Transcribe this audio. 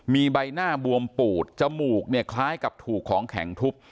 มีใบหน้าบวมปูดจมูกเนี่ยคล้ายกับถูกของแข็งทุบ